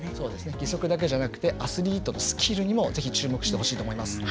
義足だけじゃなくアスリートのスキルにもぜひ注目してほしいと思います。